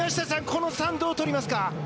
この３をどう取りますか。